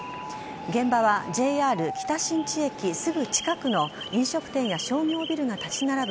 現場はＪＲ北新地駅すぐ近くの飲食店や商業ビルが立ち並ぶ